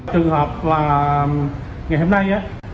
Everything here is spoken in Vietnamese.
trường hợp là ngày hôm nay